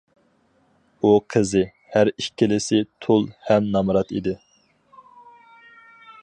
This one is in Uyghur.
ئۇ قىزى، ھەر ئىككىلىسى تۇل ھەم نامرات ئىدى.